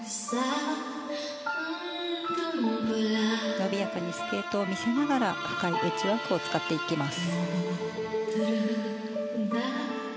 伸びやかにスケートを見せながら深いエッジワークを使っていきます。